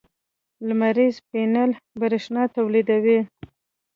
لمریز پینل برېښنا تولیدوي.